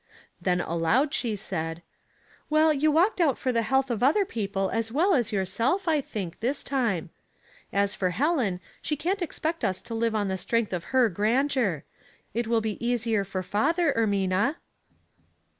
" Then, aloud, she said, —'^ Well, you walked out for the health of other people as well as yourself, I think, this time. As for Helen, she can't expect us to live on the strength of her grandeur. It will be easier for father, Ermina."